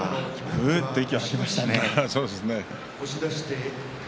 ふーっと息を吐きましたね。